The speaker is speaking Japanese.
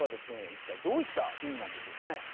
一体どういった意味なんでしょうかね？